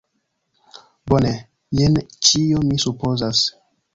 Bone, jen ĉio mi supozas!